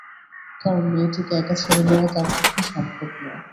কারণ মেয়েটিকে একা ছেড়ে দেওয়া তার পক্ষে সম্ভব নয়।